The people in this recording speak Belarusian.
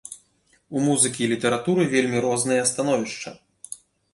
У музыкі і літаратуры вельмі розныя становішча.